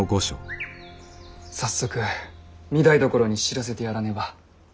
早速御台所に知らせてやらねば。